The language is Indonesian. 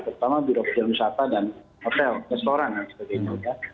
terutama di ruang perusahaan dan hotel restoran dan sebagainya ya